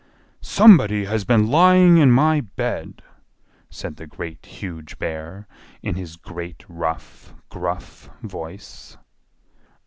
"SOMEBODY HAS BEEN LYING IN MY BED!" said the Great, Huge Bear, in his great, rough, gruff voice.